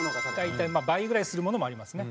大体倍ぐらいするものもありますね。